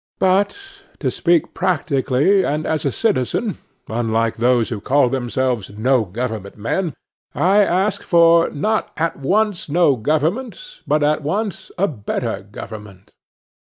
But, to speak practically and as a citizen, unlike those who call themselves no government men, I ask for, not at once no government, but at once a better government.